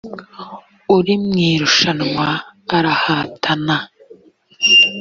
uri mu irushanwa arahatana